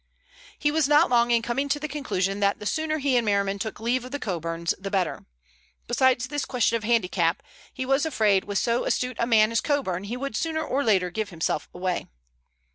He was not long in coming to the conclusion that the sooner he and Merriman took leave of the Coburns the better. Besides this question of handicap, he was afraid with so astute a man as Coburn he would sooner or later give himself away.